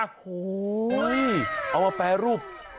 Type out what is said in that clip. โอ้โหเอามาแปรรูป